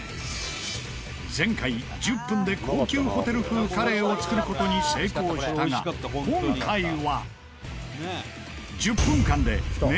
前回１０分で高級ホテル風カレーを作る事に成功したが今回は